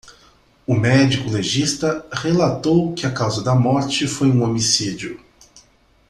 O médico legista relatou que a causa da morte foi um homicídio.